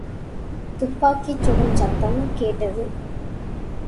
துப்பாக்கிச் சுடும் சத்தம் கேட்டது.